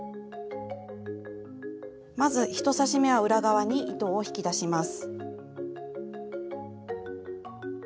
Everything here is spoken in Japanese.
まず１刺し目は裏側に糸を引き出します。